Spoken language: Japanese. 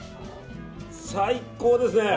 最高ですね！